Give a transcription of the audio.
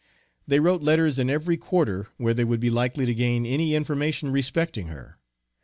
They wrote letters in every quarter where they would be likely to gain any information respecting her.